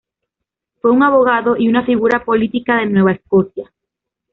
Fue un abogado y una figura política de Nueva Escocia.